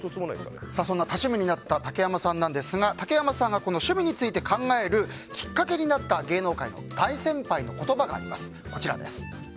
そんな多趣味になった竹山さんですが趣味について考えるきっかけとなった芸能界の大先輩の言葉があります。